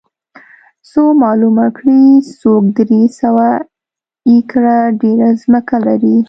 څو معلومه کړي څوک درې سوه ایکره ډېره ځمکه لري